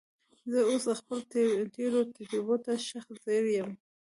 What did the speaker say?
زه اوس خپلو تېرو تجربو ته ښه ځیر یم